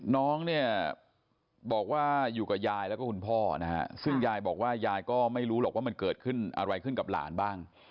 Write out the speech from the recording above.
น้องเนี่ยบอกว่าอยู่กับยายแล้วก็คุณพ่อนะฮะซึ่งยายบอกว่ายายก็ไม่รู้หรอกว่ามันเกิดขึ้นอะไรขึ้นกับหลานบ้าง